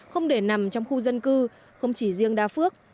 không để nằm trong khu dân cư không chỉ riêng đa phước